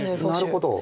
なるほど。